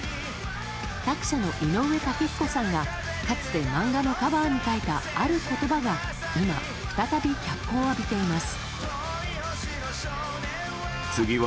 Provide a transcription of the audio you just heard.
作者の井上雄彦さんがかつて、漫画のカバーに書いたある言葉が今、再び脚光を浴びています。